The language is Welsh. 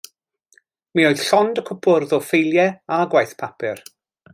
Mi oedd llond y cwpwrdd o ffeiliau a gwaith papur.